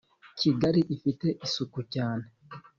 kigari ifite isuku cyane